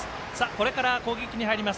これから攻撃に入ります